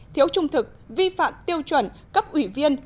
thiếu trung thực vi phạm tiêu chuẩn cấp ủy viên